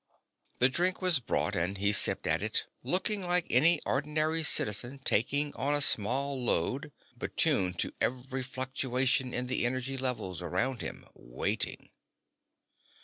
The drink was brought and he sipped at it, looking like any ordinary citizen taking on a small load, but tuned to every fluctuation in the energy levels around him, waiting.